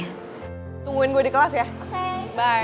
kalo kartu ini dijadiin jaminan pas gue ngejaga ibunya